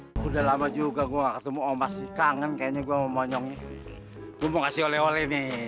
hai sudah lama juga gua ketemu om masih kangen kayaknya gua monyong gue kasih oleh oleh nih